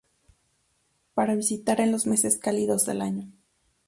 Para visitar en los meses cálidos del año.